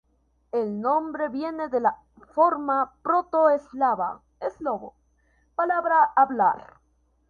El nombre viene de la forma proto-eslava "slovo" "palabra, hablar".